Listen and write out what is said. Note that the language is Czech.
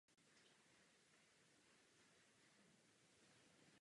Jde o zásady transparentnosti, spravedlnosti, předvídatelnosti a reciprocity.